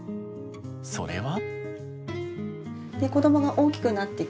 それは？